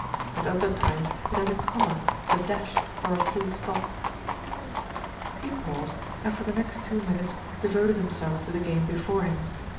At other times it has a comma, a dash, or a full stop." He paused and for the next two minutes devoted himself to the game before him.